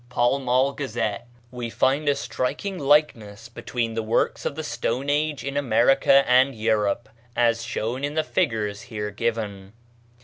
STONE IMPLEMENTS OF EUROPE AND AMERICA We find a striking likeness between the works of the Stone Age in America and Europe, as shown in the figures here given.